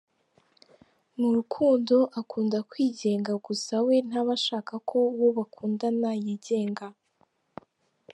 Mu rukundo akunda kwigenga gusa we ntaba ashaka ko uwo bakundana yigenga.